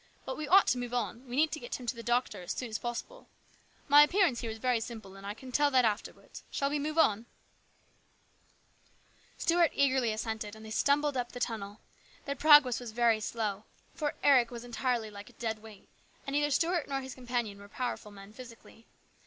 But we ought to move on. We need to get him to the doctor as soon as possible. My appearance here is very simple, and I can tell that afterwards. Shall we move on ?" Stuart eagerly assented, and they stumbled on up the tunnel. Their progress was very slow, for Eric was entirely like a dead weight, and neither Stuart nor his companion were powerful men physically.